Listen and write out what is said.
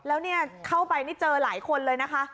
แล้วเข้าไปเจอหลายคนเลยนะคะ